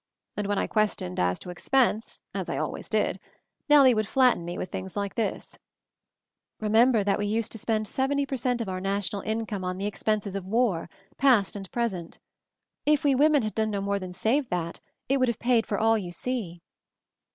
And when I ques tioned as to expense, as I always did, Nellie would flatten me with things like this: . "Remember that we used to spend 70 ! per cent, of our national income on the ex penses of war, past and present. If we women had done no more than save that, it would have paid for all you see."